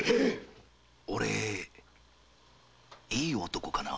オレいい男かな？